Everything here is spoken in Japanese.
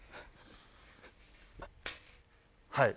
はい。